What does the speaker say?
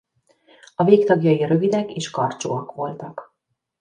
A végtagjai rövidek és karcsúak voltak.